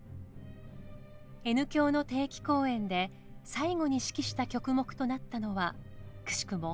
Ｎ響の定期公演で最後に指揮した曲目となったのはくしくも